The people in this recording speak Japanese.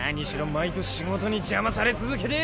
毎年仕事に邪魔され続けで。